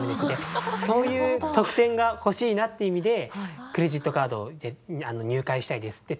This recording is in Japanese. でそういう特典が欲しいなっていう意味でクレジットカード入会したいです。